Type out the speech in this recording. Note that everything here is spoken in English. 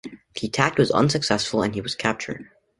The attack was unsuccessful and he was captured.